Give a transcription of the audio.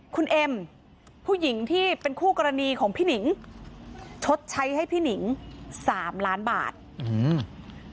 คุณเอ็มผู้หญิงที่เป็นคู่กรณีของพี่หนิงชดใช้ให้พี่หนิงสามล้านบาทอืม